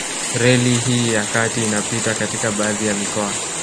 Reli hii ya kati inapita katika baadhi ya mikoa